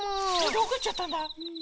どこいっちゃったんだろ？